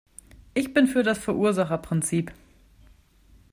Ich bin für das Verursacherprinzip.